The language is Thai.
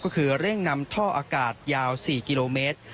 ก็คือเร่งนำท่ออากาศยาว๔กิโลเมตร